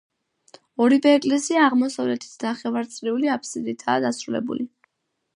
ორივე ეკლესია აღმოსავლეთით ნახევარწრიული აფსიდითაა დასრულებული.